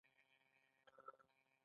د وینې سپین کرویات د بدن عسکر دي